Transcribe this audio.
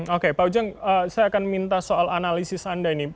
oke pak ujang saya akan minta soal analisis anda ini